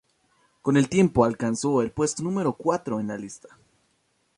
Con el tiempo alcanzó el puesto número cuatro en la lista.